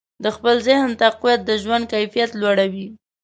د خپل ذهن تقویت د ژوند کیفیت لوړوي.